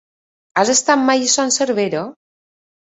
Has estat mai a Son Servera?